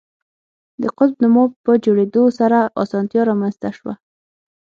د قطب نما په جوړېدو سره اسانتیا رامنځته شوه.